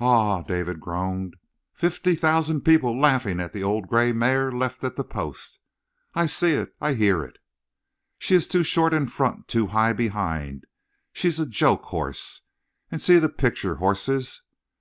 "Ah!" David groaned. "Fifty thousand people laughing at the old gray mare left at the post!" "I see it! I hear it!" "She's too short in front; too high behind. She's a joke horse. And see the picture horses!